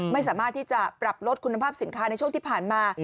ไม่สามารถที่จะปรับลดคุณภาพสินค้าในช่วงที่ผ่านมา